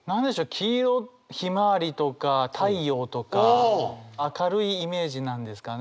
黄色ひまわりとか太陽とか明るいイメージなんですかね？